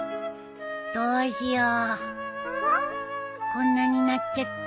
こんなになっちゃった。